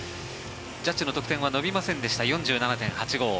ジャッジの得点は伸びませんでした４７．８５。